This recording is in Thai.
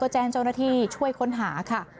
แจ้งเจ้าหน้าที่ช่วยค้นหาค่ะ